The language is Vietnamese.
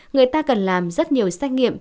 người ta cần làm rất nhiều xét nghiệm